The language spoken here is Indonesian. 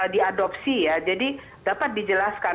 diadopsi jadi dapat dijelaskan